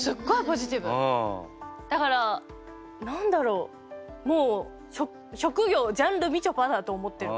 だから何だろう職業ジャンルみちょぱだと思ってるから。